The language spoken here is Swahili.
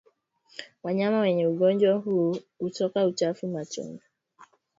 Wanyama wenye ugonjwa huu hutoka uchafu machoni